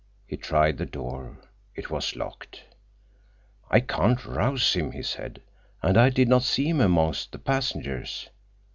He tried the door. It was locked. "I can't rouse him," he said. "And I did not see him among the passengers."